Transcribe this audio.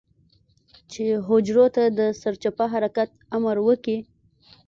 چې حجرو ته د سرچپه حرکت امر وکي.